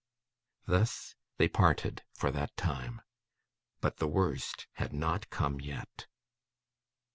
Thus they parted, for that time; but the worst had not come yet.